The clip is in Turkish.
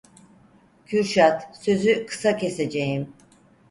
Kürşad, sözü kısa keseceğim.